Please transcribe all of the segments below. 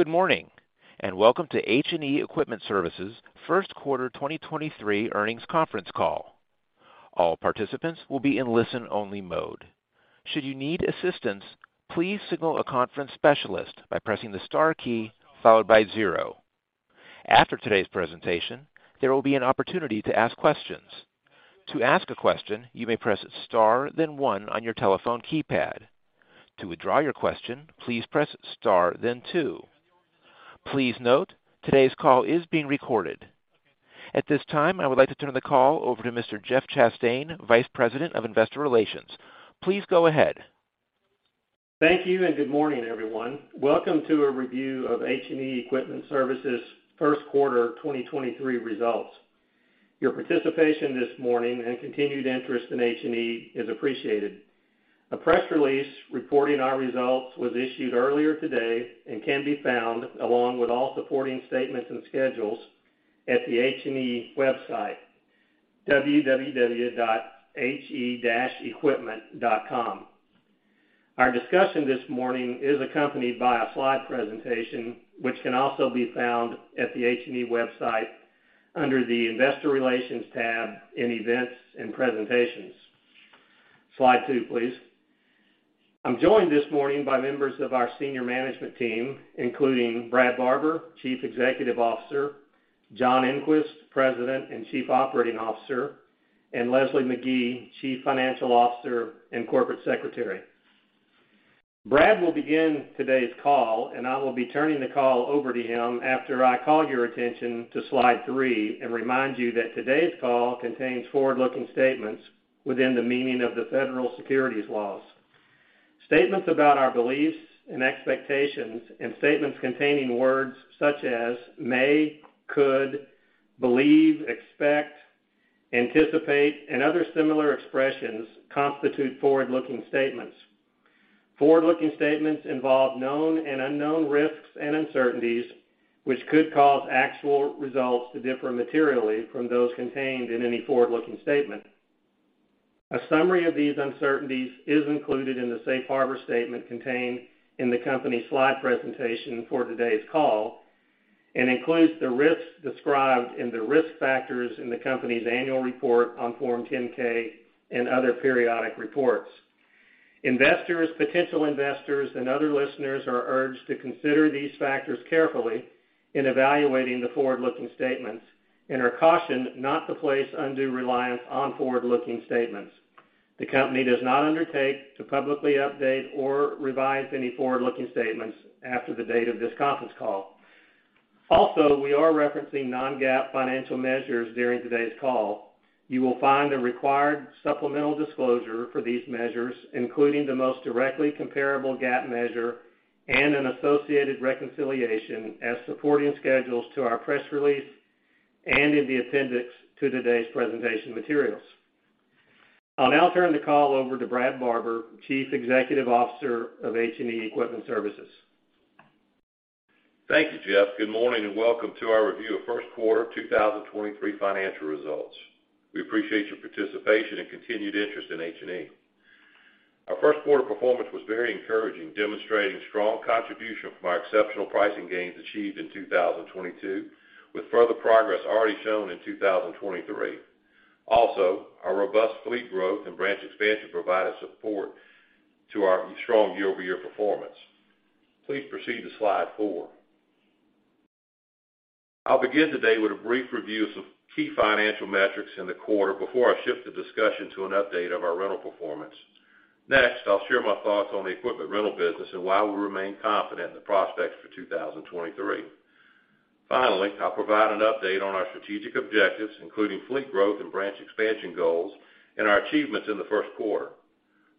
Good morning, welcome to H&E Equipment Services' Q1 2023 earnings conference call. All participants will be in listen-only mode. Should you need assistance, please signal a conference specialist by pressing the star key followed by zero. After today's presentation, there will be an opportunity to ask questions. To ask a question, you may press star then one on your telephone keypad. To withdraw your question, please press star then two. Please note, today's call is being recorded. At this time, I would like to turn the call over to Mr. Jeff Chastain, Vice President of Investor Relations. Please go ahead. Thank you. Good morning, everyone. Welcome to a review of H&E Equipment Services' Q1 2023 results. Your participation this morning and continued interest in H&E is appreciated. A press release reporting our results was issued earlier today and can be found along with all supporting statements and schedules at the H&E website, www.he-equipment.com. Our discussion this morning is accompanied by a slide presentation, which can also be found at the H&E website under the Investor Relations tab in Events and Presentations. Slide two, please. I'm joined this morning by members of our senior management team, including Brad Barber, Chief Executive Officer, John Engquist, President and Chief Operating Officer, and Leslie Magee, Chief Financial Officer and Corporate Secretary. Brad will begin today's call, and I will be turning the call over to him after I call your attention to slide three and remind you that today's call contains forward-looking statements within the meaning of the federal securities laws. Statements about our beliefs and expectations and statements containing words such as may, could, believe, expect, anticipate, and other similar expressions constitute forward-looking statements. Forward-looking statements involve known and unknown risks and uncertainties, which could cause actual results to differ materially from those contained in any forward-looking statement. A summary of these uncertainties is included in the safe harbor statement contained in the company's slide presentation for today's call and includes the risks described in the risk factors in the company's annual report on Form 10-K and other periodic reports. Investors, potential investors, and other listeners are urged to consider these factors carefully in evaluating the forward-looking statements and are cautioned not to place undue reliance on forward-looking statements. The company does not undertake to publicly update or revise any forward-looking statements after the date of this conference call. We are referencing non-GAAP financial measures during today's call. You will find a required supplemental disclosure for these measures, including the most directly comparable GAAP measure and an associated reconciliation as supporting schedules to our press release and in the appendix to today's presentation materials. I'll now turn the call over to Brad Barber, Chief Executive Officer of H&E Equipment Services. Thank you, Jeff. Good morning and welcome to our review of Q1 2023 financial results. We appreciate your participation and continued interest in H&E. Our Q1 performance was very encouraging, demonstrating strong contribution from our exceptional pricing gains achieved in 2022, with further progress already shown in 2023. Also, our robust fleet growth and branch expansion provided support to our strong year-over-year performance. Please proceed to slide four. I'll begin today with a brief review of some key financial metrics in the quarter before I shift the discussion to an update of our rental performance. Next, I'll share my thoughts on the equipment rental business and why we remain confident in the prospects for 2023. Finally, I'll provide an update on our strategic objectives, including fleet growth and branch expansion goals and our achievements in the Q1.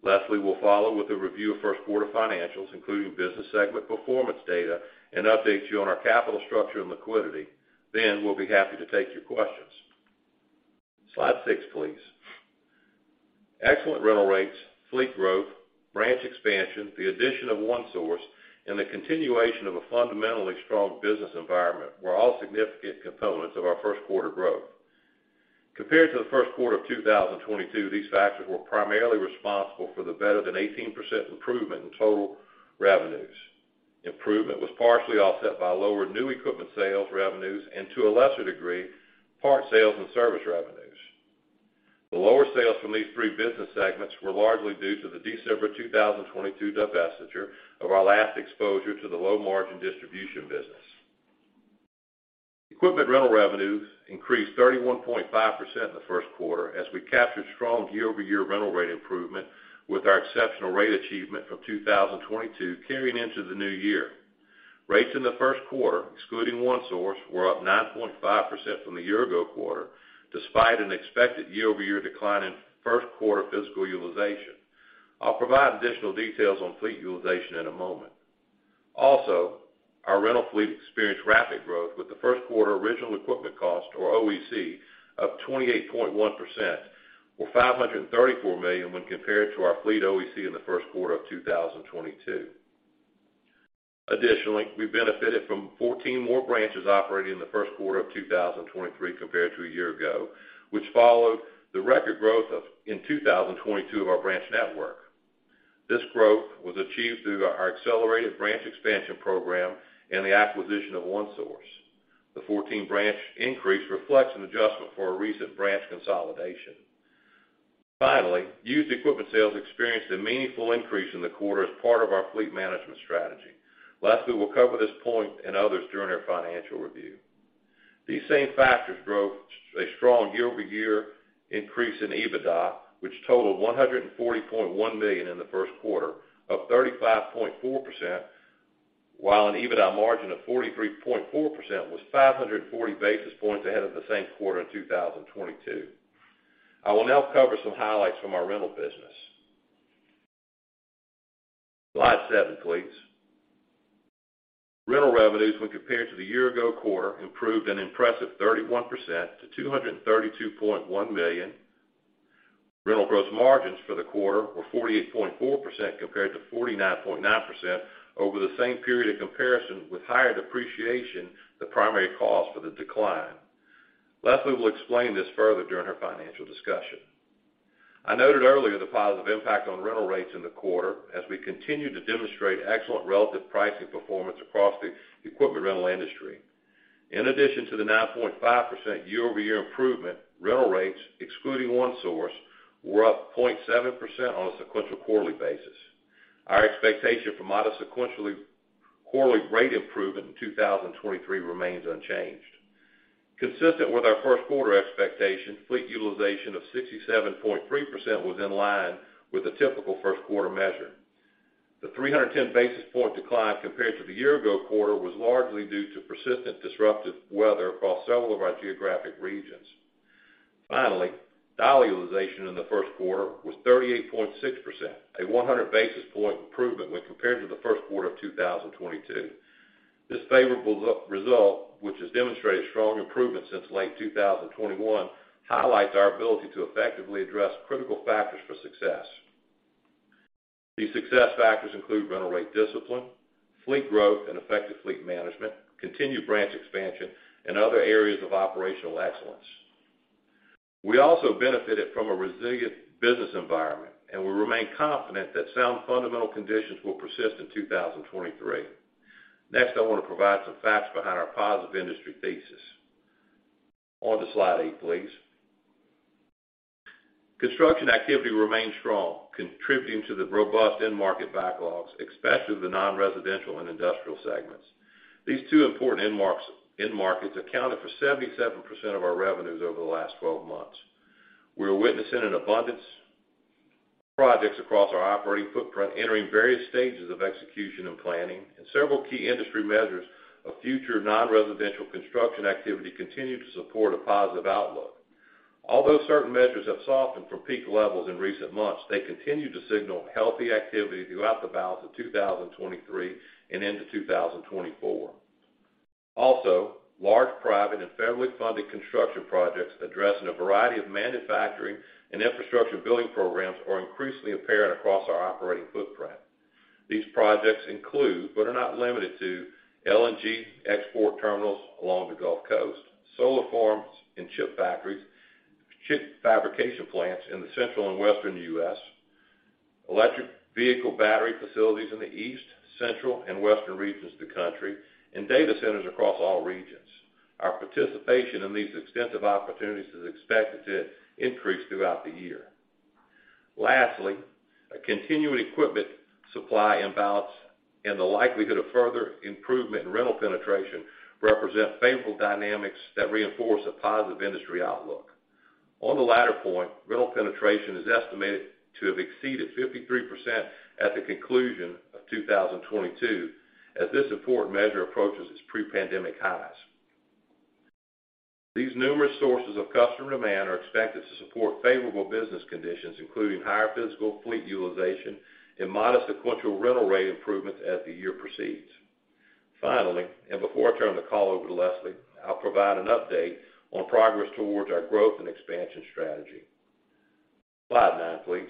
Leslie will follow with a review of Q1 financials, including business segment performance data and updates you on our capital structure and liquidity. We'll be happy to take your questions. Slide six, please. Excellent rental rates, fleet growth, branch expansion, the addition of One Source, and the continuation of a fundamentally strong business environment were all significant components of our Q1 growth. Compared to the Q1 of 2022, these factors were primarily responsible for the better than 18% improvement in total revenues. Improvement was partially offset by lower new equipment sales revenues and to a lesser degree, part sales and service revenues. The lower sales from these three business segments were largely due to the December 2022 divestiture of our last exposure to the low-margin distribution business. Equipment rental revenues increased 31.5% in the Q1 as we captured strong year-over-year rental rate improvement with our exceptional rate achievement from 2022 carrying into the new year. Rates in the Q1, excluding One Source, were up 9.5% from the year ago quarter, despite an expected year-over-year decline in Q1 physical utilization. I'll provide additional details on fleet utilization in a moment. Our rental fleet experienced rapid growth with the Q1 original equipment cost or OEC of 28.1% or $534 million when compared to our fleet OEC in the Q1 of 2022. Additionally, we benefited from 14 more branches operating in the Q1 of 2023 compared to a year ago, which followed the record growth in 2022 of our branch network. This growth was achieved through our accelerated branch expansion program and the acquisition of One Source. The 14 branch increase reflects an adjustment for a recent branch consolidation. Finally, used equipment sales experienced a meaningful increase in the quarter as part of our fleet management strategy. Leslie will cover this point and others during our financial review. These same factors drove a strong year-over-year increase in EBITDA, which totaled $140.1 million in the Q1 of 35.4%, while an EBITDA margin of 43.4% was 540 basis points ahead of the same quarter in 2022. I will now cover some highlights from our rental business. Slide SEVEN, please. Rental revenues when compared to the year-ago quarter improved an impressive 31% to $232.1 million. Rental gross margins for the quarter were 48.4% compared to 49.9% over the same period of comparison with higher depreciation, the primary cause for the decline. Leslie will explain this further during her financial discussion. I noted earlier the positive impact on rental rates in the quarter as we continue to demonstrate excellent relative pricing performance across the equipment rental industry. In addition to the 9.5% year-over-year improvement, rental rates, excluding One Source, were up 0.7% on a sequential quarterly basis. Our expectation for modest sequentially quarterly rate improvement in 2023 remains unchanged. Consistent with our Q1 expectations, fleet utilization of 67.3% was in line with the typical Q1 measure. The 310 basis point decline compared to the year-ago quarter was largely due to persistent disruptive weather across several of our geographic regions. Dollar utilization in the Q1 was 38.6%, a 100 basis point improvement when compared to the Q1 of 2022. This favorable re-result, which has demonstrated strong improvement since late 2021, highlights our ability to effectively address critical factors for success. These success factors include rental rate discipline, fleet growth and effective fleet management, continued branch expansion, and other areas of operational excellence. We also benefited from a resilient business environment, we remain confident that sound fundamental conditions will persist in 2023. Next, I want to provide some facts behind our positive industry thesis. On to slide eight, please. Construction activity remains strong, contributing to the robust end market backlogs, especially the non-residential and industrial segments. These two important end markets accounted for 77% of our revenues over the last 12 months. We are witnessing an abundance of projects across our operating footprint entering various stages of execution and planning, and several key industry measures of future non-residential construction activity continue to support a positive outlook. Although certain measures have softened from peak levels in recent months, they continue to signal healthy activity throughout the balance of 2023 and into 2024. Large private and federally funded construction projects addressing a variety of manufacturing and infrastructure building programs are increasingly apparent across our operating footprint. These projects include, but are not limited to, LNG export terminals along the Gulf Coast, solar farms and chip factories, chip fabrication plants in the Central and Western U.S., electric vehicle battery facilities in the East, Central, and Western regions of the country, and data centers across all regions. Our participation in these extensive opportunities is expected to increase throughout the year. Lastly, a continuing equipment supply imbalance and the likelihood of further improvement in rental penetration represent favorable dynamics that reinforce a positive industry outlook. On the latter point, rental penetration is estimated to have exceeded 53% at the conclusion of 2022, as this important measure approaches its pre-pandemic highs. These numerous sources of customer demand are expected to support favorable business conditions, including higher physical fleet utilization and modest sequential rental rate improvements as the year proceeds. Finally, before I turn the call over to Leslie, I'll provide an update on progress towards our growth and expansion strategy. Slide nine, please.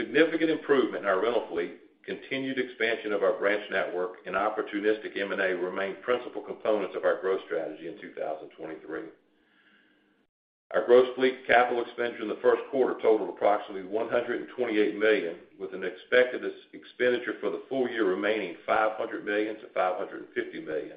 Significant improvement in our rental fleet, continued expansion of our branch network, and opportunistic M&A remain principal components of our growth strategy in 2023. Our gross fleet capital expenditure in the Q1 totaled approximately $128 million, with an expected expenditure for the full year remaining $500 million-$550 million.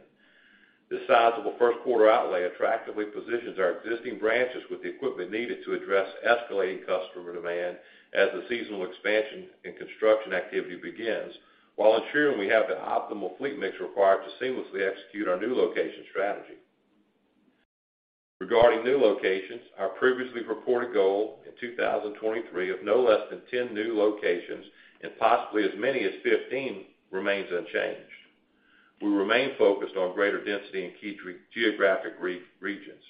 This sizable Q1 outlay attractively positions our existing branches with the equipment needed to address escalating customer demand as the seasonal expansion and construction activity begins, while ensuring we have the optimal fleet mix required to seamlessly execute our new location strategy. Regarding new locations, our previously reported goal in 2023 of no less than 10 new locations and possibly as many as 15 remains unchanged. We remain focused on greater density in key geographic regions.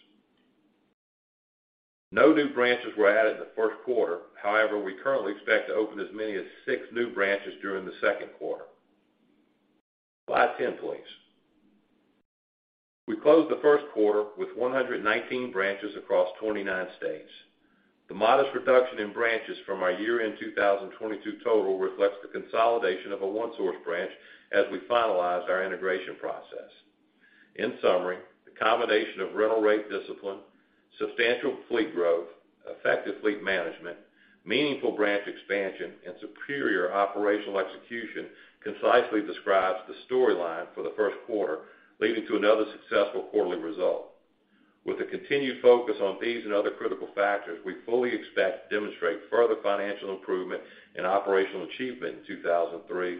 No new branches were added in the Q1. However, we currently expect to open as many as six new branches during the Q2. Slide 10, please. We closed the Q1 with 119 branches across 29 states. The modest reduction in branches from our year-end 2022 total reflects the consolidation of a One Source branch as we finalized our integration process. In summary, the combination of rental rate discipline, substantial fleet growth, effective fleet management, meaningful branch expansion, and superior operational execution concisely describes the storyline for the Q1, leading to another successful quarterly result. With the continued focus on these and other critical factors, we fully expect to demonstrate further financial improvement and operational achievement in 2003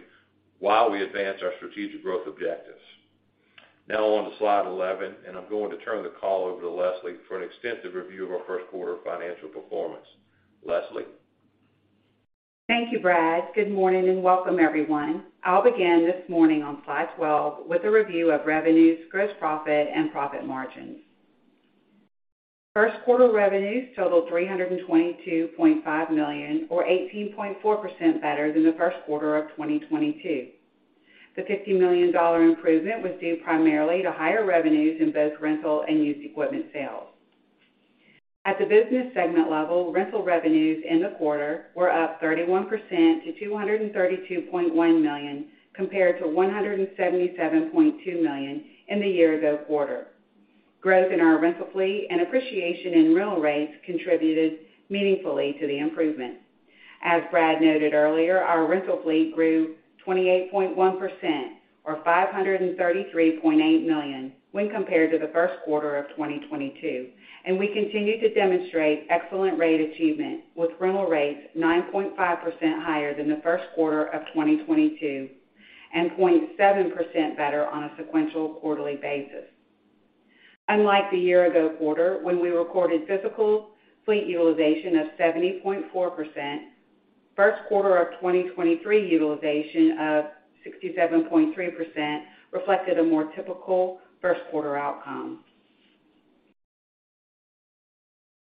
while we advance our strategic growth objectives. On to slide 11, I'm going to turn the call over to Leslie for an extensive review of our Q1 financial performance. Leslie? Thank you, Brad. Good morning, welcome, everyone. I'll begin this morning on slide 12 with a review of revenues, gross profit, and profit margins. Q1 revenues totaled $322.5 million or 18.4% better than the Q1 of 2022. The $50 million improvement was due primarily to higher revenues in both rental and used equipment sales. At the business segment level, rental revenues in the quarter were up 31% to $232.1 million, compared to $177.2 million in the year ago quarter. Growth in our rental fleet and appreciation in rental rates contributed meaningfully to the improvement. As Brad noted earlier, our rental fleet grew 28.1% or $533.8 million when compared to the Q1 of 2022, and we continue to demonstrate excellent rate achievement, with rental rates 9.5% higher than the Q1 of 2022 and 0.7% better on a sequential quarterly basis. Unlike the year-ago quarter, when we recorded physical fleet utilization of 70.4%, Q1 of 2023 utilization of 67.3% reflected a more typical Q1 outcome.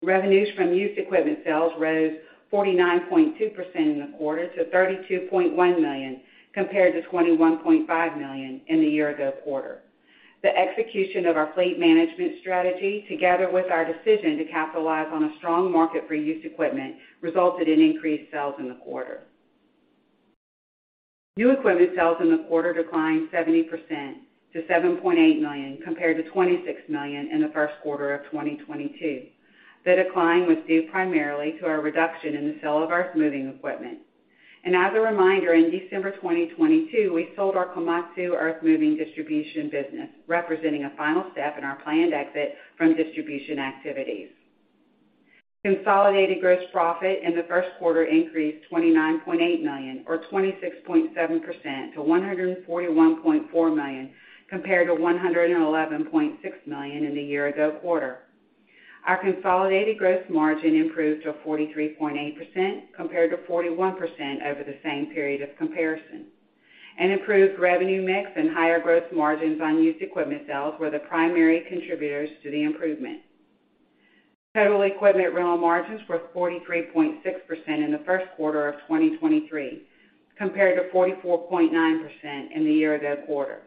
Revenues from used equipment sales rose 49.2% in the quarter to $32.1 million, compared to $21.5 million in the year-ago quarter. The execution of our fleet management strategy, together with our decision to capitalize on a strong market for used equipment, resulted in increased sales in the quarter. New equipment sales in the quarter declined 70% to $7.8 million, compared to $26 million in the Q1 of 2022. The decline was due primarily to our reduction in the sale of earthmoving equipment. As a reminder, in December 2022, we sold our Komatsu earthmoving distribution business, representing a final step in our planned exit from distribution activities. Consolidated gross profit in the Q1 increased $29.8 million or 26.7% to $141.4 million compared to $111.6 million in the year-ago quarter. Our consolidated gross margin improved to 43.8% compared to 41% over the same period of comparison. An improved revenue mix and higher gross margins on used equipment sales were the primary contributors to the improvement. Total equipment rental margins were 43.6% in the Q1 of 2023 compared to 44.9% in the year-ago quarter.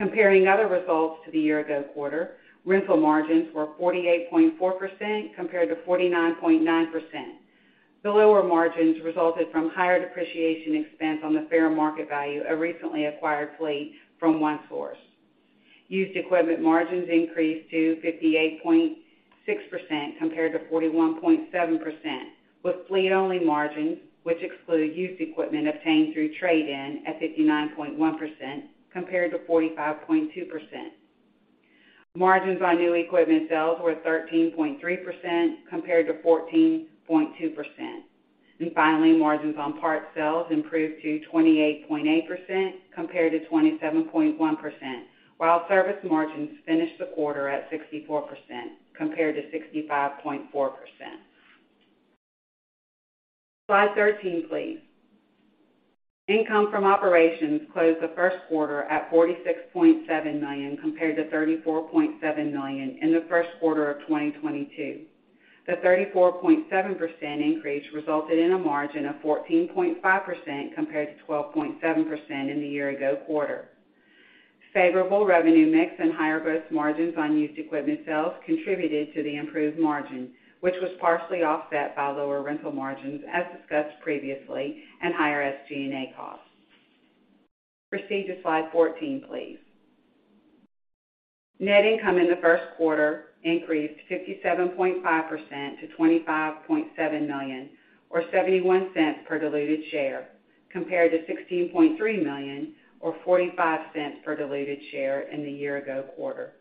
Comparing other results to the year-ago quarter, rental margins were 48.4% compared to 49.9%. The lower margins resulted from higher depreciation expense on the fair market value of recently acquired fleet from One Source. Used equipment margins increased to 58.6% compared to 41.7%, with fleet-only margins, which exclude used equipment obtained through trade-in, at 59.1% compared to 45.2%. Margins on new equipment sales were 13.3% compared to 14.2%. Finally, margins on parts sales improved to 28.8% compared to 27.1%, while service margins finished the quarter at 64% compared to 65.4%. Slide 13, please. Income from operations closed the Q1 at $46.7 million compared to $34.7 million in the Q1 of 2022. The 34.7% increase resulted in a margin of 14.5% compared to 12.7% in the year-ago quarter. Favorable revenue mix and higher gross margins on used equipment sales contributed to the improved margin, which was partially offset by lower rental margins, as discussed previously, and higher SG&A costs. Proceed to slide 14, please. Net income in the Q1 increased 57.5% to $25.7 million or $0.71 per diluted share, compared to $16.3 million or $0.45 per diluted share in the year-ago quarter.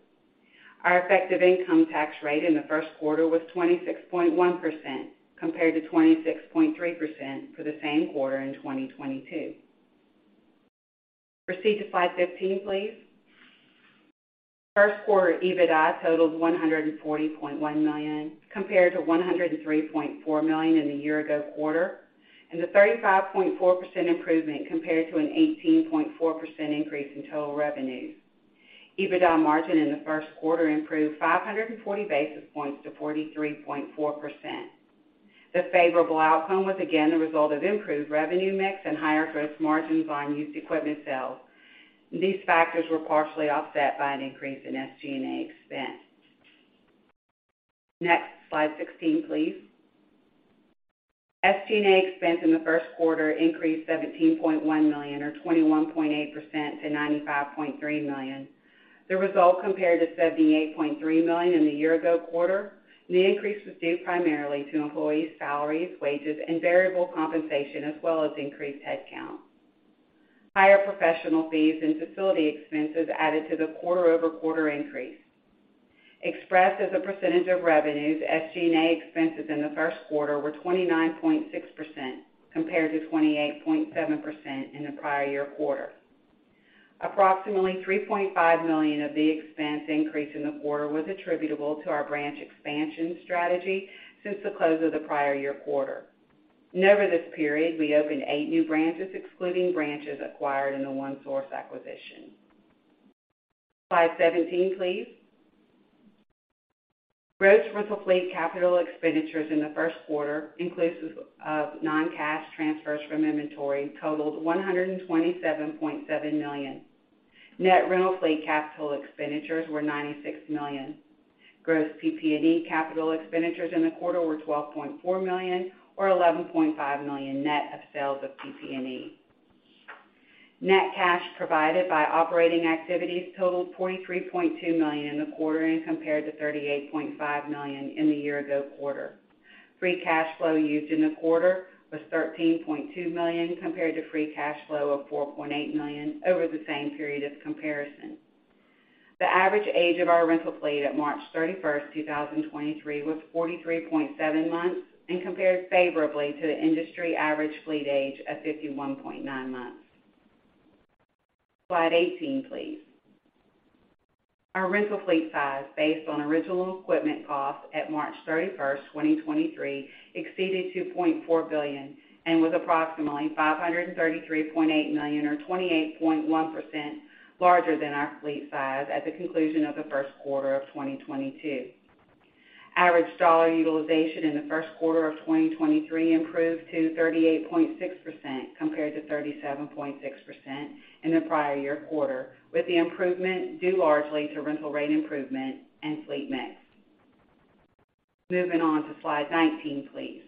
Our effective income tax rate in the Q1 was 26.1% compared to 26.3% for the same quarter in 2022. Proceed to slide 15, please. Q1 EBITDA totaled $140.1 million compared to $103.4 million in the year-ago quarter, and a 35.4% improvement compared to an 18.4% increase in total revenues. EBITDA margin in the Q1 improved 540 basis points to 43.4%. The favorable outcome was again the result of improved revenue mix and higher gross margins on used equipment sales. These factors were partially offset by an increase in SG&A expense. Slide 16, please. SG&A expense in the Q1 increased $17.1 million, or 21.8% to $95.3 million. The result compared to $78.3 million in the year-ago quarter. The increase was due primarily to employees' salaries, wages, and variable compensation, as well as increased headcount. Higher professional fees and facility expenses added to the quarter-over-quarter increase. Expressed as a percentage of revenues, SG&A expenses in the Q1 were 29.6% compared to 28.7% in the prior year quarter. Approximately $3.5 million of the expense increase in the quarter was attributable to our branch expansion strategy since the close of the prior year quarter. Over this period, we opened eight new branches excluding branches acquired in the One Source acquisition. Slide 17, please. Gross rental fleet capital expenditures in the Q1, inclusive of non-cash transfers from inventory, totaled $127.7 million. Net rental fleet capital expenditures were $96 million. Gross PP&E capital expenditures in the quarter were $12.4 million or $11.5 million net of sales of PP&E. Net cash provided by operating activities totaled $43.2 million in the quarter and compared to $38.5 million in the year ago quarter. Free cash flow used in the quarter was $13.2 million compared to free cash flow of $4.8 million over the same period of comparison. The average age of our rental fleet at March 31st, 2023, was 43.7 months and compared favorably to the industry average fleet age of 51.9 months. Slide 18, please. Our rental fleet size based on original equipment cost at March 31st, 2023, exceeded $2.4 billion and was approximately $533.8 million or 28.1% larger than our fleet size at the conclusion of the Q1 of 2022. Average dollar utilization in the Q1 of 2023 improved to 38.6% compared to 37.6% in the prior year quarter, with the improvement due largely to rental rate improvement and fleet mix. Moving on to slide 19, please.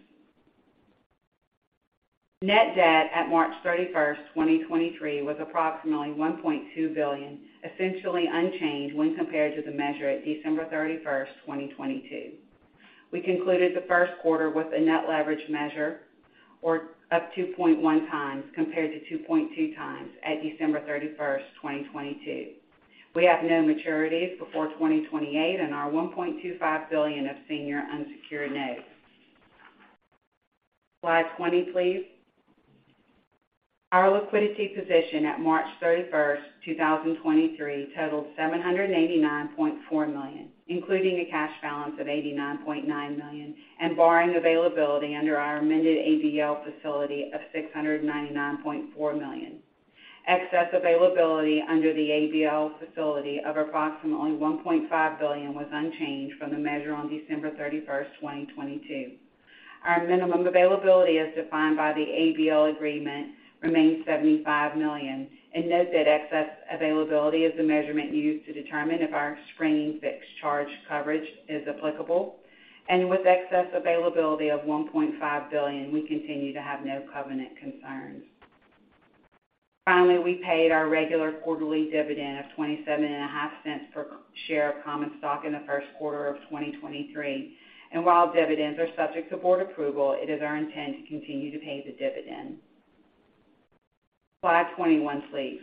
Net debt at March 31st, 2023, was approximately $1.2 billion, essentially unchanged when compared to the measure at December 31st, 2022. We concluded the Q1 with a net leverage measure or up 2.1x compared to 2.2x at December 31st, 2022. We have no maturities before 2028 and our $1.25 billion of senior unsecured notes. Slide 20, please. Our liquidity position at March 31st, 2023, totaled $789.4 million, including a cash balance of $89.9 million and borrowing availability under our amended ABL facility of $699.4 million. Excess availability under the ABL facility of approximately $1.5 billion was unchanged from the measure on December 31st, 2022. Our minimum availability, as defined by the ABL agreement, remains $75 million. Note that excess availability is the measurement used to determine if our screening fixed charge coverage is applicable. With excess availability of $1.5 billion, we continue to have no covenant concerns. We paid our regular quarterly dividend of twenty-seven and a half cents per share of common stock in the Q1 of 2023. While dividends are subject to board approval, it is our intent to continue to pay the dividend. Slide 21, please.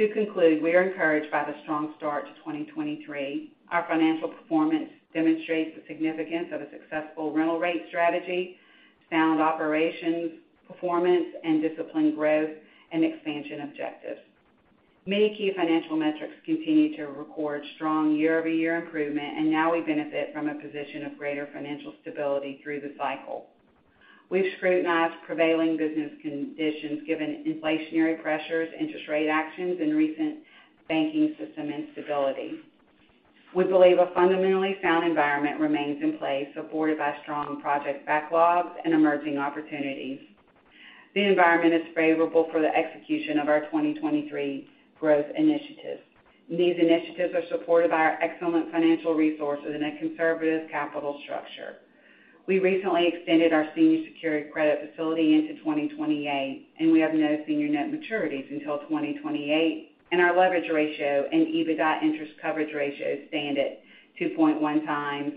To conclude, we are encouraged by the strong start to 2023. Our financial performance demonstrates the significance of a successful rental rate strategy, sound operations performance, and disciplined growth and expansion objectives. Many key financial metrics continue to record strong year-over-year improvement. Now we benefit from a position of greater financial stability through the cycle. We've scrutinized prevailing business conditions given inflationary pressures, interest rate actions, and recent banking system instability. We believe a fundamentally sound environment remains in place, supported by strong project backlogs and emerging opportunities. The environment is favorable for the execution of our 2023 growth initiatives. These initiatives are supported by our excellent financial resources and a conservative capital structure. We recently extended our senior secured credit facility into 2028, and we have no senior net maturities until 2028, and our leverage ratio and EBITDA interest coverage ratio stand at 2.1x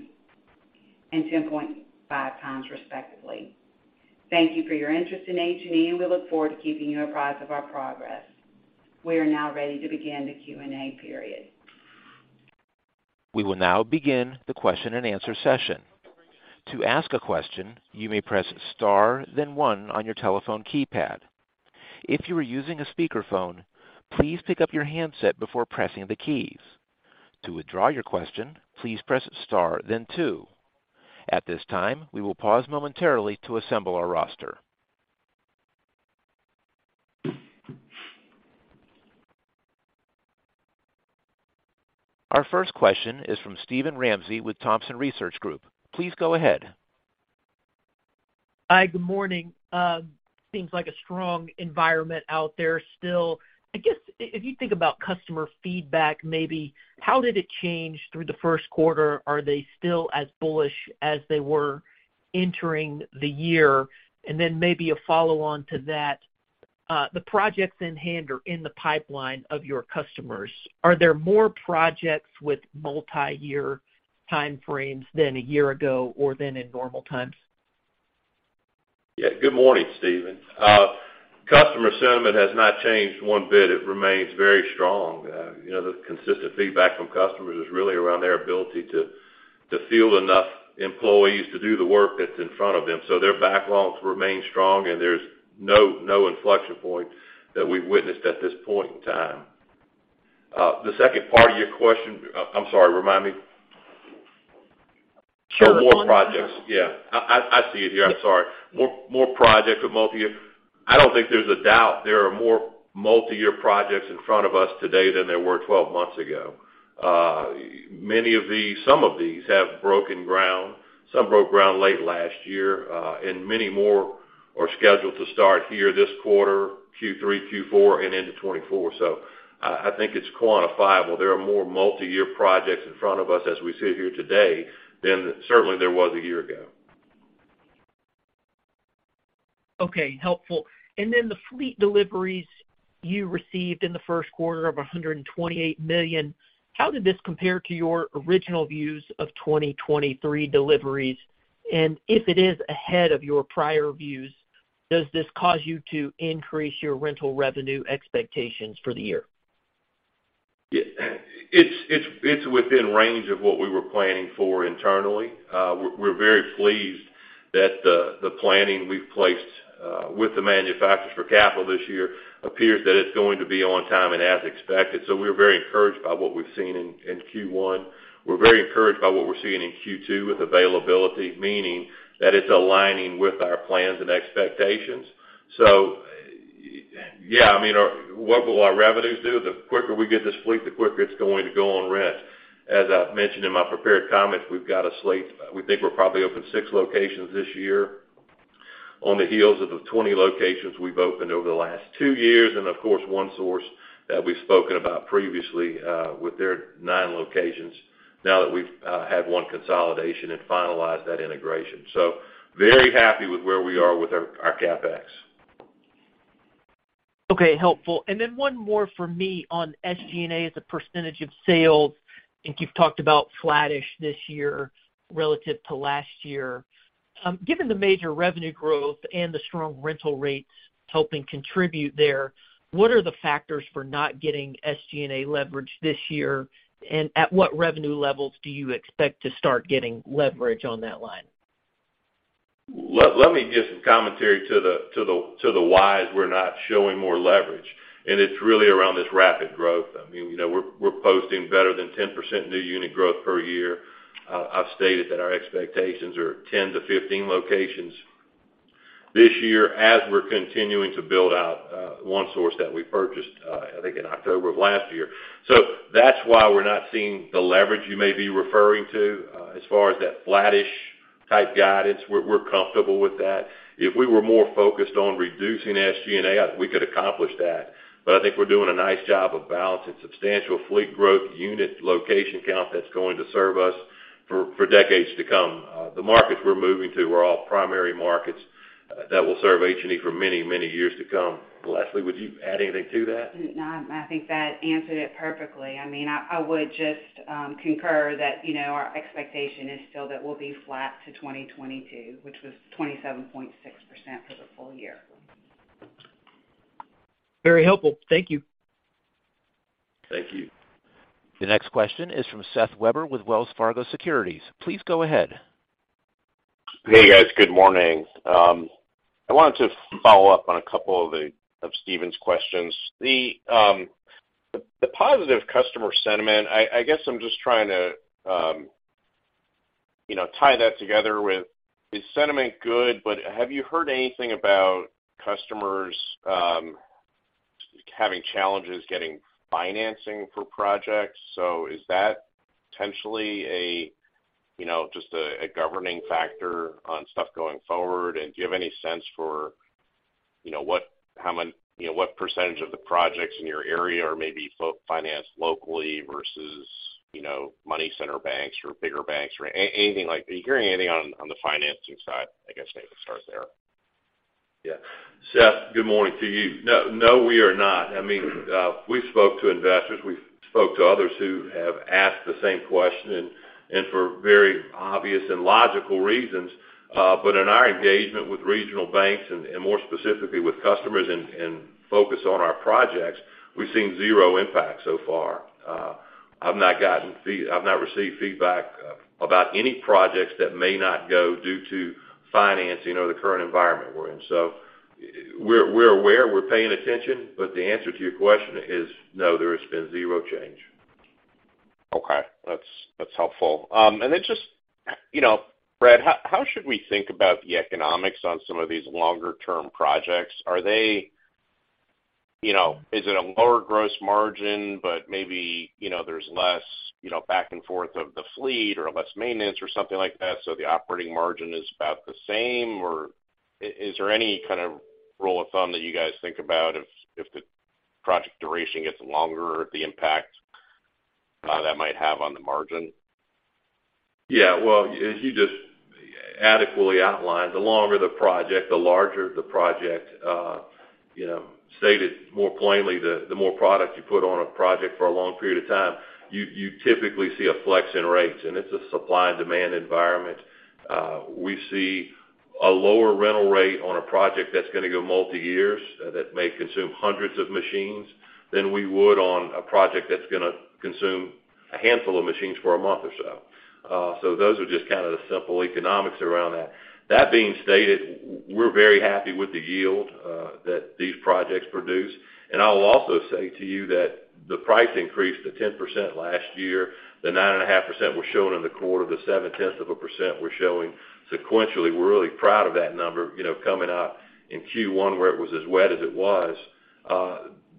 and 10.5x, respectively. Thank you for your interest in H&E, and we look forward to keeping you apprised of our progress. We are now ready to begin the Q&A period. We will now begin the question and answer session. To ask a question, you may press star then one on your telephone keypad. If you are using a speakerphone, please pick up your handset before pressing the keys. To withdraw your question, please press star then two. At this time, we will pause momentarily to assemble our roster. Our first question is from Steven Ramsey with Thompson Research Group. Please go ahead. Hi, good morning. Seems like a strong environment out there still. I guess, if you think about customer feedback, maybe how did it change through the Q1? Are they still as bullish as they were entering the year? Maybe a follow-on to that, the projects in hand or in the pipeline of your customers, are there more projects with multiyear time frames than a year ago or than in normal times? Good morning, Steven. Customer sentiment has not changed one bit. It remains very strong. You know, the consistent feedback from customers is really around their ability to field enough employees to do the work that's in front of them. Their backlogs remain strong, and there's no inflection point that we've witnessed at this point in time. The second part of your question. I'm sorry, remind me. Sure. More projects. Yeah. I see it here. I'm sorry. More projects with multiyear. I don't think there's a doubt there are more multiyear projects in front of us today than there were 12 months ago. Some of these have broken ground. Some broke ground late last year. Many more are scheduled to start here this quarter, Q3, Q4, and into 2024. I think it's quantifiable. There are more multiyear projects in front of us as we sit here today than certainly there was a year ago. Okay. Helpful. The fleet deliveries you received in the Q1 of $128 million, how did this compare to your original views of 2023 deliveries? If it is ahead of your prior views, does this cause you to increase your rental revenue expectations for the year? It's within range of what we were planning for internally. We're very pleased that the planning we've placed with the manufacturers for capital this year appears that it's going to be on time and as expected. We're very encouraged by what we've seen in Q1. We're very encouraged by what we're seeing in Q2 with availability, meaning that it's aligning with our plans and expectations. I mean, what will our revenues do? The quicker we get this fleet, the quicker it's going to go on rent. As I've mentioned in my prepared comments, we've got a slate. We think we're probably open six locations this year on the heels of the 20 locations we've opened over the last two years, and of course, One Source that we've spoken about previously, with their nine locations now that we've had one consolidation and finalized that integration. Very happy with where we are with our CapEx. Okay. Helpful. Then one more for me on SG&A as a percentage of sales. I think you've talked about flattish this year relative to last year. Given the major revenue growth and the strong rental rates helping contribute there, what are the factors for not getting SG&A leverage this year? At what revenue levels do you expect to start getting leverage on that line? Let me give some commentary to the whys we're not showing more leverage. It's really around this rapid growth. I mean, you know, we're posting better than 10% new unit growth per year. I've stated that our expectations are 10-15 locations this year as we're continuing to build out One Source that we purchased, I think in October of last year. That's why we're not seeing the leverage you may be referring to. As far as that flattish type guidance, we're comfortable with that. If we were more focused on reducing SG&A, we could accomplish that. I think we're doing a nice job of balancing substantial fleet growth, unit location count that's going to serve us for decades to come. The markets we're moving to are all primary markets that will serve H&E for many, many years to come. Leslie, would you add anything to that? No, I think that answered it perfectly. I mean, I would just concur that, you know, our expectation is still that we'll be flat to 2022, which was 27.6% for the full year. Very helpful. Thank you. Thank you. The next question is from Seth Weber with Wells Fargo Securities. Please go ahead. Hey, guys. Good morning. I wanted to follow up on a couple of Steven Ramsey's questions. The positive customer sentiment, I guess I'm just trying to, you know, tie that together with, is sentiment good, but have you heard anything about customers having challenges getting financing for projects? Is that potentially a, you know, just a governing factor on stuff going forward? Do you have any sense for, you know, what, how many, you know, what % of the projects in your area are maybe financed locally versus, you know, money center banks or bigger banks or anything like? Are you hearing anything on the financing side? I guess maybe start there. Yeah. Seth, good morning to you. No, no, we are not. I mean, we spoke to investors. We spoke to others who have asked the same question and for very obvious and logical reasons. In our engagement with regional banks and more specifically with customers and focus on our projects, we've seen 0 impact so far. I've not received feedback about any projects that may not go due to financing or the current environment we're in. We're aware, we're paying attention, but the answer to your question is no, there has been 0 change. Okay. That's helpful. Just, you know, Brad, how should we think about the economics on some of these longer term projects? You know, is it a lower gross margin, but maybe, you know, there's less, you know, back and forth of the fleet or less maintenance or something like that, so the operating margin is about the same? Or is there any kind of rule of thumb that you guys think about if the project duration gets longer, the impact, that might have on the margin? Yeah, well, as you just adequately outlined, the longer the project, the larger the project, you know, stated more plainly, the more product you put on a project for a long period of time, you typically see a flex in rates. It's a supply and demand environment. We see a lower rental rate on a project that's gonna go multi years, that may consume hundreds of machines, than we would on a project that's gonna consume a handful of machines for a month or so. Those are just kind of the simple economics around that. That being stated, we're very happy with the yield that these projects produce. I'll also say to you that the price increase to 10% last year, the 9.5% we're showing in the quarter, the 0.7% we're showing sequentially, we're really proud of that number, you know, coming up in Q1 where it was as wet as it was.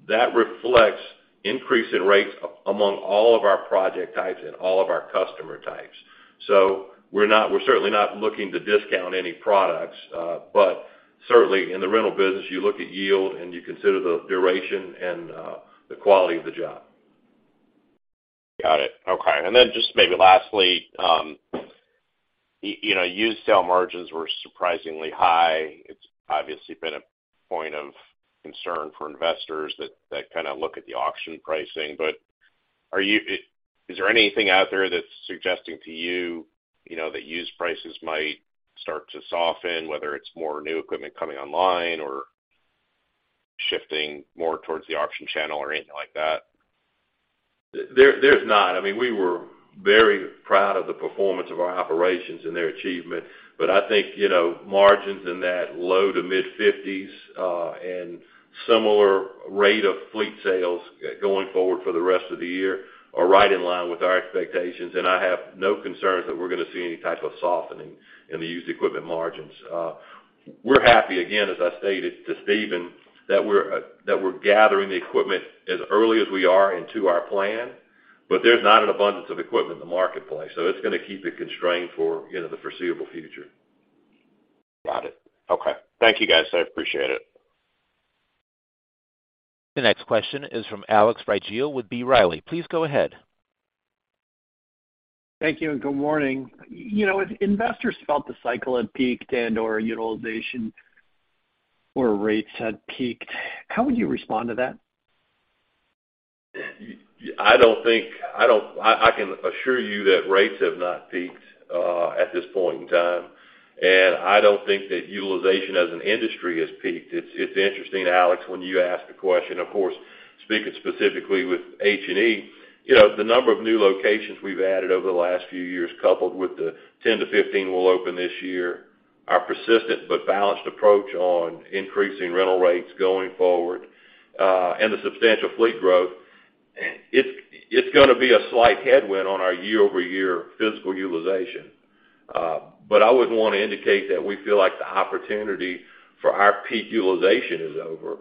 That reflects increase in rates among all of our project types and all of our customer types. We're not, we're certainly not looking to discount any products, but certainly in the rental business, you look at yield and you consider the duration and the quality of the job. Got it. Okay. Then just maybe lastly, you know, used sale margins were surprisingly high. It's obviously been a point of concern for investors that kinda look at the auction pricing. Is there anything out there that's suggesting to you know, that used prices might start to soften, whether it's more new equipment coming online or shifting more towards the auction channel or anything like that? There's not. I mean, we were very proud of the performance of our operations and their achievement. I think, you know, margins in that low to mid 50%, and similar rate of fleet sales going forward for the rest of the year are right in line with our expectations, and I have no concerns that we're going to see any type of softening in the used equipment margins. We're happy, again, as I stated to Steven Ramsey, that we're gathering the equipment as early as we are into our plan. There's not an abundance of equipment in the marketplace, so it's going to keep it constrained for, you know, the foreseeable future. Got it. Okay. Thank you, guys. I appreciate it. The next question is from Alex Rygiel with B. Riley. Please go ahead. Thank you, and good morning. You know, if investors felt the cycle had peaked and/or utilization or rates had peaked, how would you respond to that? I can assure you that rates have not peaked at this point in time. I don't think that utilization as an industry has peaked. It's interesting, Alex, when you ask the question, of course, speaking specifically with H&E, you know, the number of new locations we've added over the last few years, coupled with the 10-15 we'll open this year, our persistent but balanced approach on increasing rental rates going forward, and the substantial fleet growth, it's gonna be a slight headwind on our year-over-year physical utilization. I wouldn't wanna indicate that we feel like the opportunity for our peak utilization is over,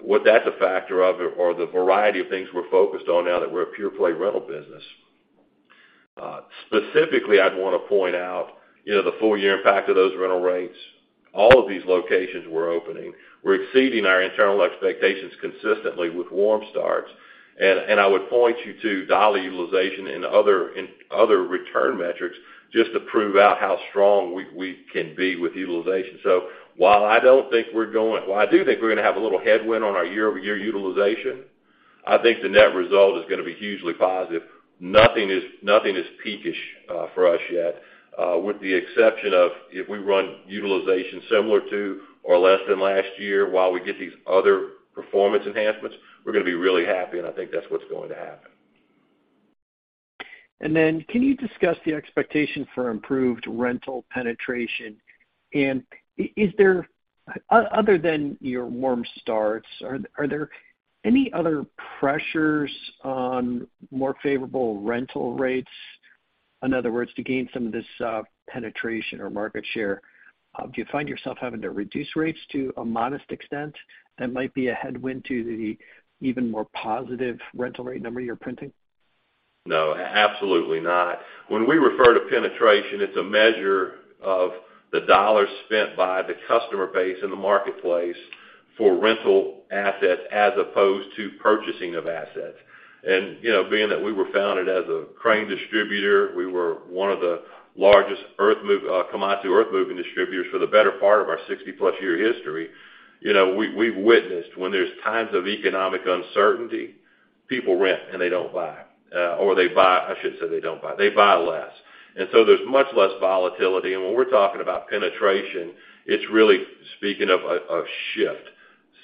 what that's a factor of or the variety of things we're focused on now that we're a pure play rental business. Specifically, I'd wanna point out, you know, the full year impact of those rental rates, all of these locations we're opening, we're exceeding our internal expectations consistently with warm starts. I would point you to dollar utilization and other return metrics just to prove out how strong we can be with utilization. While I do think we're gonna have a little headwind on our year-over-year utilization, I think the net result is gonna be hugely positive. Nothing is peak-ish for us yet, with the exception of if we run utilization similar to or less than last year while we get these other performance enhancements, we're gonna be really happy, and I think that's what's going to happen. Can you discuss the expectation for improved rental penetration? Other than your warm starts, are there any other pressures on more favorable rental rates? In other words, to gain some of this, penetration or market share, do you find yourself having to reduce rates to a modest extent that might be a headwind to the even more positive rental rate number you're printing? No, absolutely not. When we refer to penetration, it's a measure of the dollars spent by the customer base in the marketplace for rental assets as opposed to purchasing of assets. You know, being that we were founded as a crane distributor, we were one of the largest commodity earthmoving distributors for the better part of our 60+ year history. You know, we've witnessed when there's times of economic uncertainty, people rent and they don't buy. They buy, I shouldn't say they don't buy, they buy less. There's much less volatility, and when we're talking about penetration, it's really speaking of a shift.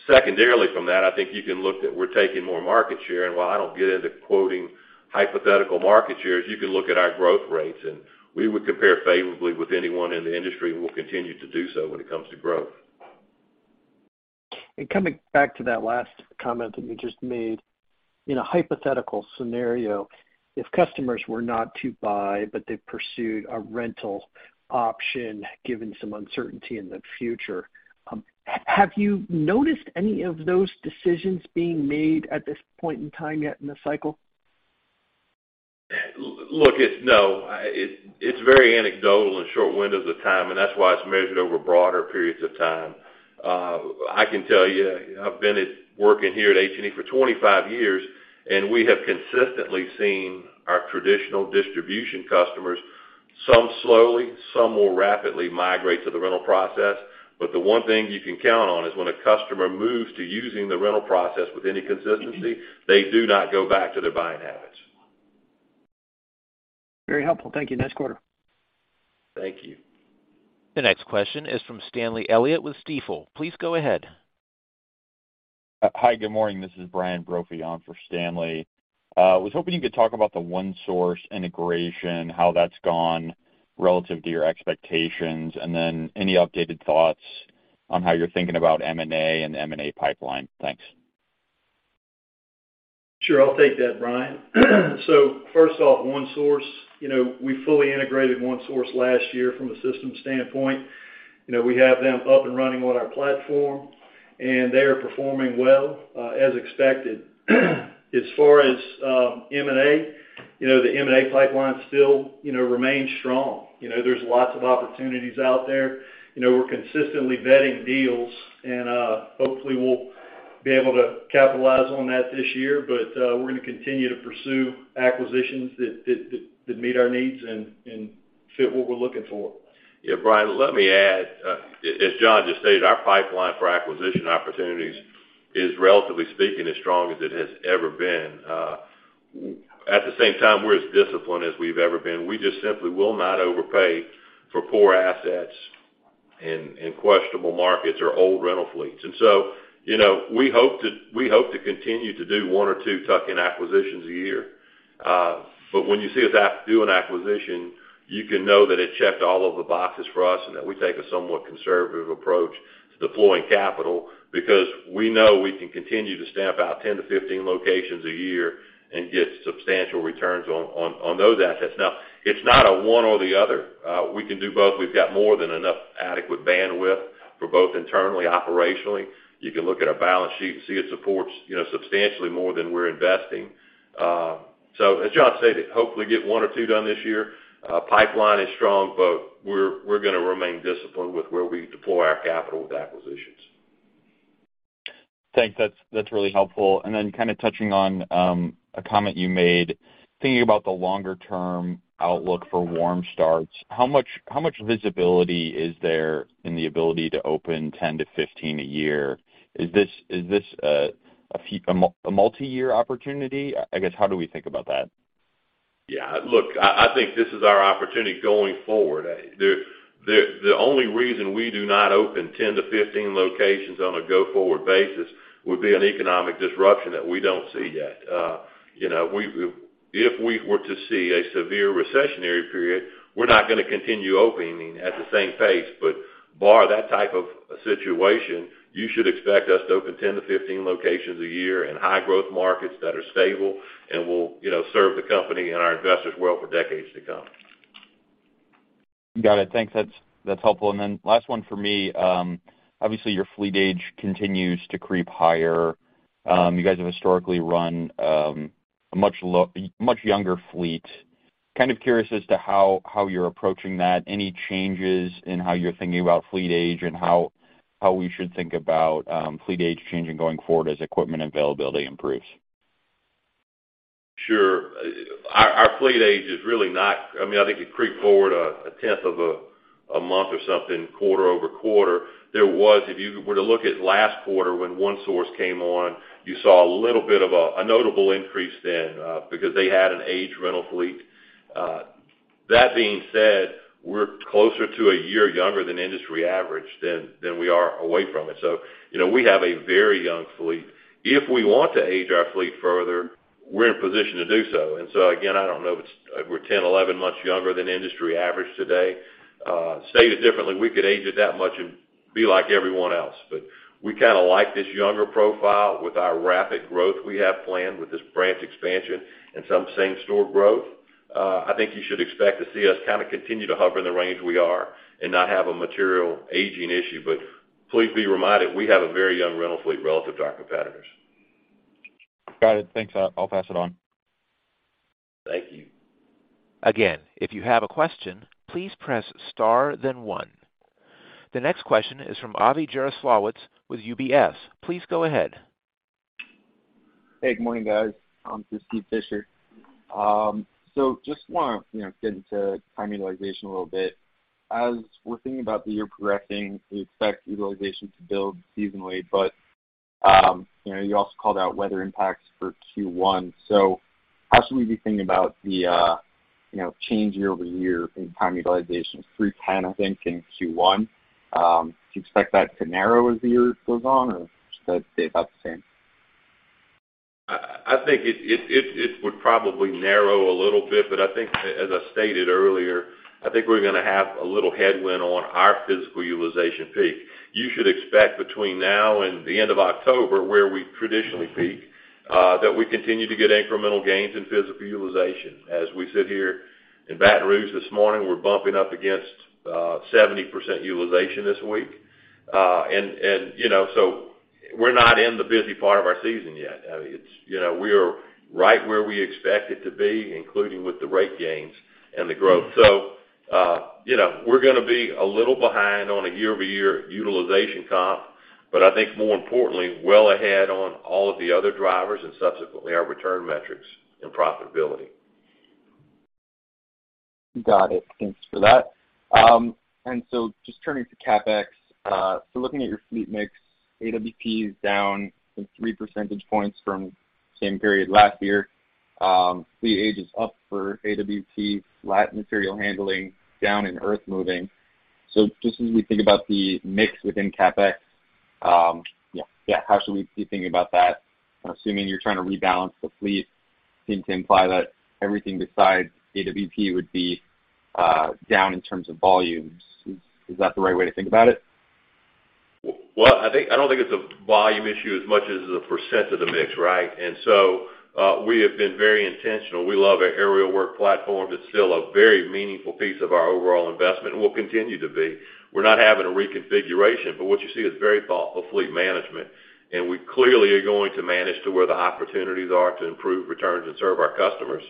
Secondarily from that, I think you can look that we're taking more market share. While I don't get into quoting hypothetical market shares, you can look at our growth rates, and we would compare favorably with anyone in the industry, and we'll continue to do so when it comes to growth. Coming back to that last comment that you just made. In a hypothetical scenario, if customers were not to buy, but they pursued a rental option given some uncertainty in the future, have you noticed any of those decisions being made at this point in time yet in the cycle? Look, it's no. It's very anecdotal and short windows of time, and that's why it's measured over broader periods of time. I can tell you, I've been at working here at H&E for 25 years, and we have consistently seen our traditional distribution customers, some slowly, some more rapidly migrate to the rental process. The one thing you can count on is when a customer moves to using the rental process with any consistency, they do not go back to their buying habits. Very helpful. Thank you. Next quarter. Thank you. The next question is from Stanley Elliott with Stifel. Please go ahead. Hi, good morning. This is Brian Brophy on for Stanley. Was hoping you could talk about the One Source integration, how that's gone relative to your expectations, and then any updated thoughts on how you're thinking about M&A and M&A pipeline. Thanks. Sure. I'll take that, Brian. First off, One Source, you know, we fully integrated One Source last year from a system standpoint. You know, we have them up and running on our platform, and they are performing well, as expected. As far as M&A, you know, the M&A pipeline still, you know, remains strong. You know, there's lots of opportunities out there. You know, we're consistently vetting deals and, hopefully we'll be able to capitalize on that this year. We're gonna continue to pursue acquisitions that meet our needs and fit what we're looking for. Yeah. Brian, let me add, as John just stated, our pipeline for acquisition opportunities is, relatively speaking, as strong as it has ever been. At the same time, we're as disciplined as we've ever been. We just simply will not overpay for poor assets in questionable markets or old rental fleets. You know, we hope to continue to do one or two tuck-in acquisitions a year. When you see us do an acquisition, you can know that it checked all of the boxes for us and that we take a somewhat conservative approach to deploying capital because we know we can continue to stamp out 10-15 locations a year and get substantial returns on those assets. Now, it's not a one or the other. We can do both. We've got more than enough adequate bandwidth for both internally, operationally. You can look at our balance sheet and see it supports, you know, substantially more than we're investing. As John stated, hopefully get one or two done this year. Pipeline is strong, we're gonna remain disciplined with where we deploy our capital with acquisitions. Thanks. That's really helpful. Then kind of touching on a comment you made, thinking about the longer term outlook for warm starts, how much visibility is there in the ability to open 10-15 a year? Is this a multi-year opportunity? I guess, how do we think about that? Yeah. Look, I think this is our opportunity going forward. The only reason we do not open 10-15 locations on a go-forward basis would be an economic disruption that we don't see yet. you know, if we were to see a severe recessionary period, we're not gonna continue opening at the same pace. Bar that type of a situation, you should expect us to open 10-15 locations a year in high growth markets that are stable and will, you know, serve the company and our investors well for decades to come. Got it. Thanks. That's helpful. Last one for me. Obviously, your fleet age continues to creep higher. You guys have historically run a much younger fleet. Kind of curious as to how you're approaching that. Any changes in how you're thinking about fleet age and how we should think about fleet age changing going forward as equipment availability improves? Sure. Our fleet age is really not. I mean, I think it creeped forward a tenth of a month or something quarter-over-quarter. If you were to look at last quarter when One Source came on, you saw a little bit of a notable increase then because they had an aged rental fleet. That being said, we're closer to a year younger than industry average than we are away from it. You know, we have a very young fleet. If we want to age our fleet further, we're in position to do so. Again, I don't know if it's if we're 10, 11 months younger than industry average today. Stated differently, we could age it that much and be like everyone else. We kinda like this younger profile with our rapid growth we have planned with this branch expansion and some same store growth. I think you should expect to see us kind of continue to hover in the range we are and not have a material aging issue. Please be reminded, we have a very young rental fleet relative to our competitors. Got it. Thanks. I'll pass it on. Thank you. If you have a question, please press star then one. The next question is from Avi Jaroslawicz with UBS. Please go ahead. Hey, good morning, guys. This is Steven Fisher. just wanna, you know, get into time utilization a little bit. As we're thinking about the year progressing, we expect utilization to build seasonally, but, you know, you also called out weather impacts for Q1. How should we be thinking about the, you know, change year-over-year in time utilization? 310, I think, in Q1. Do you expect that to narrow as the year goes on or stay about the same? I think it would probably narrow a little bit, but I think, as I stated earlier, I think we're gonna have a little headwind on our physical utilization peak. You should expect between now and the end of October, where we traditionally peak, that we continue to get incremental gains in physical utilization. As we sit here in Baton Rouge this morning, we're bumping up against 70% utilization this week. You know, we're not in the busy part of our season yet. I mean, it's, you know, we are right where we expect it to be, including with the rate gains and the growth. You know, we're gonna be a little behind on a year-over-year utilization comp, but I think more importantly, well ahead on all of the other drivers and subsequently our return metrics and profitability. Got it. Thanks for that. Just turning to CapEx, looking at your fleet mix, AWP is down from 3% same period last year. Fleet age is up for AWP, flat material handling, down in earthmoving. Just as we think about the mix within CapEx, yeah, how should we be thinking about that? I'm assuming you're trying to rebalance the fleet, seem to imply that everything besides AWP would be down in terms of volumes. Is that the right way to think about it? Well, I don't think it's a volume issue as much as it's a percent of the mix, right. So, we have been very intentional. We love our aerial work platform. It's still a very meaningful piece of our overall investment, and will continue to be. We're not having a reconfiguration, but what you see is very thoughtful fleet management, and we clearly are going to manage to where the opportunities are to improve returns and serve our customers.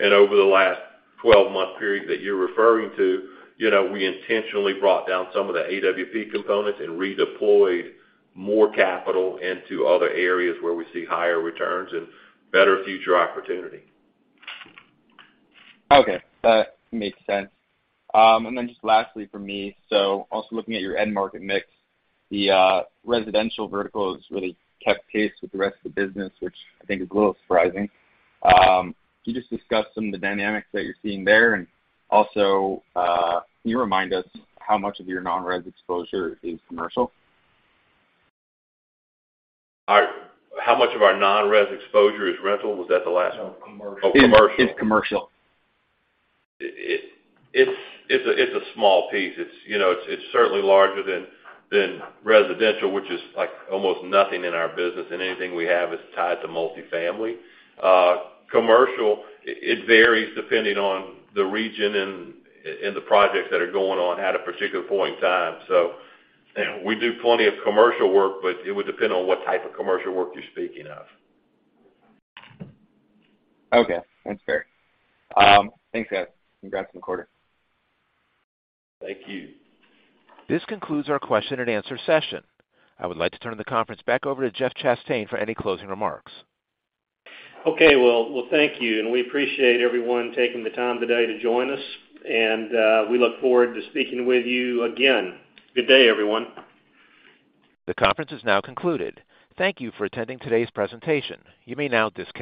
Over the last 12-month period that you're referring to, you know, we intentionally brought down some of the AWP components and redeployed more capital into other areas where we see higher returns and better future opportunity. Okay. That makes sense. Just lastly for me, looking at your end market mix, the residential vertical has really kept pace with the rest of the business, which I think is a little surprising. Can you just discuss some of the dynamics that you're seeing there? Also, can you remind us how much of your non-res exposure is commercial? How much of our non-res exposure is rental? Was that the last one? No, commercial. Oh, commercial. It's commercial. It's a small piece. It's, you know, it's certainly larger than residential, which is, like, almost nothing in our business, and anything we have is tied to multifamily. Commercial, it varies depending on the region and the projects that are going on at a particular point in time. We do plenty of commercial work, but it would depend on what type of commercial work you're speaking of. That's fair. Thanks, guys. Congrats on the quarter. Thank you. This concludes our question and answer session. I would like to turn the conference back over to Jeff Chastain for any 1closing remarks. Okay. Well, thank you, and we appreciate everyone taking the time today to join us, and we look forward to speaking with you again. Good day, everyone. The conference is now concluded. Thank you for attending today's presentation. You may now disconnect.